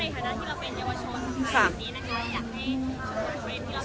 เยาวชนค่ะอยากให้ทุกคนเพื่อนเพื่อนที่เราจะสืบสามที่นี่